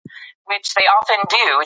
د ماشوم د خولې پاکوالی روغتيا ساتي.